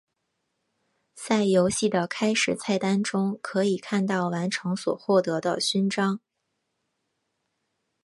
在游戏的开始菜单中可以看到完成所获得的勋章。